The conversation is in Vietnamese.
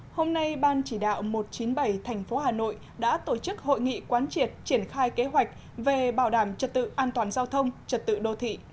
hôm nay ban chỉ đạo một trăm chín mươi bảy tp hà nội đã tổ chức hội nghị quán triệt triển khai kế hoạch về bảo đảm trật tự an toàn giao thông trật tự đô thị